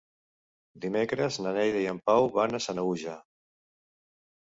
Dimecres na Neida i en Pau van a Sanaüja.